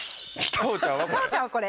太鳳ちゃんはこれ。